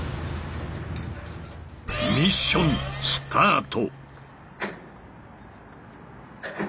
ミッションスタート！